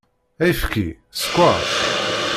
Ayefki? Sskeṛ?